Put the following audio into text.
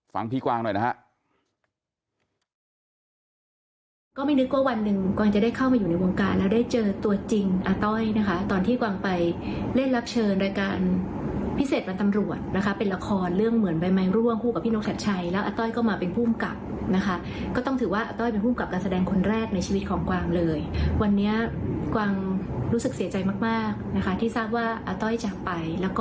ฟังพี่กวางหน่อยนะฮะ